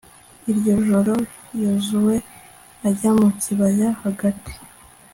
iryo joro yozuwe ajya mu kibaya rwagati